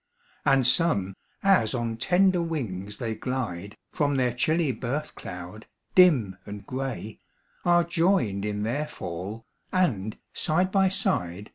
And some, as on tender wings they glide, From their chilly birth cloud, dim and gray, Are joined in their fall, and, side by side.